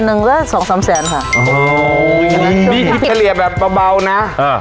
เอ่อนี่เทลียงแบบเบาน่ะ